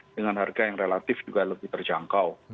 dengan harga yang relatif juga lebih terjangkau